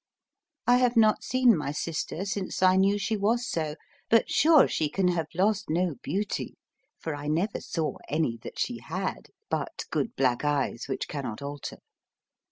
I have not seen my sister since I knew she was so; but, sure, she can have lost no beauty, for I never saw any that she had, but good black eyes, which cannot alter.